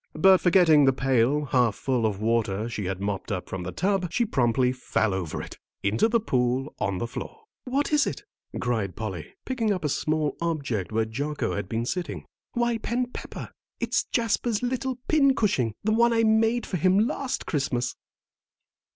But forgetting the pail, half full of water she had mopped up from the tub, she promptly fell over it, into the pool on the floor. "What is it?" cried Polly, picking up a small object where Jocko had been sitting. "Why, Ben Pepper, it's Jasper's little pincushion, the one I made for him last Christmas!"